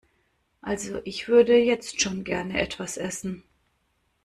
Also ich würde jetzt schon gerne etwas essen.